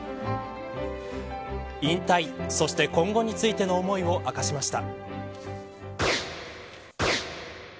引退、そして今後についての思いを明かしました。